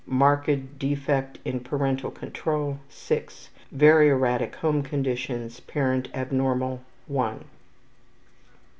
6 Marked defect in parental control .............. .6 Very erratic home conditions parent abnormal. ....